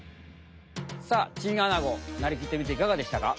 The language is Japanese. さあチンアナゴなりきってみていかがでしたか？